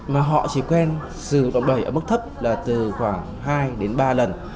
mà họ chỉ quen sử dụng đòn bẩy ở mức thấp là từ khoảng hai đến ba lần